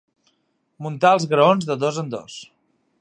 Muntar els graons de dos en dos.